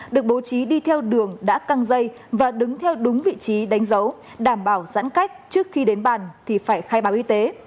được bố trí đi theo đường đã căng dây và đứng theo đúng vị trí đánh dấu đảm bảo giãn cách trước khi đến bàn thì phải khai báo y tế